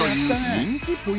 人気ポイント